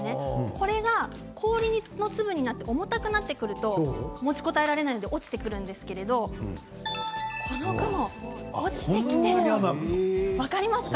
これが氷の粒になって重たくなってくると持ちこたえられないので落ちてくるんですけど分かりますか？